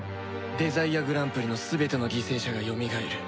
デザイアグランプリの全ての犠牲者がよみがえる